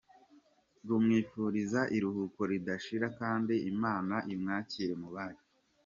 rw tumwifuriza iruhuko ridashira kandi Imana imwakire mubayo.